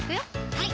はい